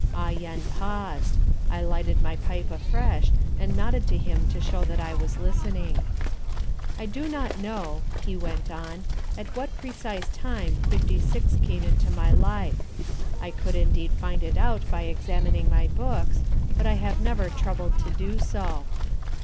Ah Yen paused; I lighted my pipe afresh, and nodded to him to show that I was listening. "I do not know," he went on, "at what precise time Fifty Six came into my life. I could indeed find it out by examining my books, but I have never troubled to do so.